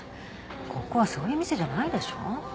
ここはそういう店じゃないでしょう。